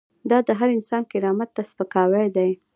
دا د هر انسان کرامت ته سپکاوی دی.